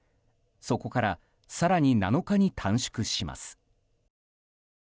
そこから更に７日に短縮します。